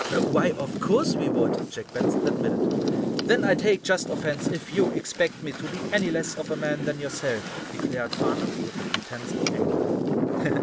"Why, of course we would," Jack Benson admitted. "Then I take just offense, if you expect me to be any less of a man than yourself," declared Farnum, with a pretense of anger.